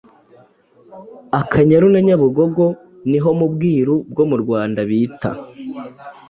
Akanyaru na Nyabarongo ni ho mu Bwiru bwo mu Rwanda bita